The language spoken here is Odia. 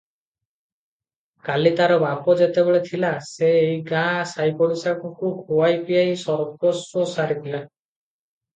କାଲି ତାର ବାପ ଯେତେବେଳେ ଥିଲା, ସେ ଏଇ ଗାଁ ସାଇପଡ଼ିଶାଙ୍କୁ ଖୁଆଇ ପିଆଇ ସର୍ବସ୍ୱ ସାରିଥିଲା ।